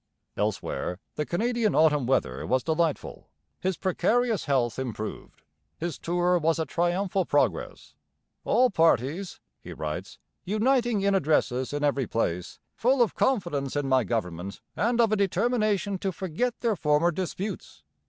Elsewhere the Canadian autumn weather was delightful. His precarious health improved. His tour was a triumphal progress. 'All parties,' he writes, 'uniting in addresses in every place, full of confidence in my government, and of a determination to forget their former disputes.'